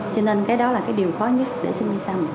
cho nên cái đó là cái điều khó nhất để xin visa mình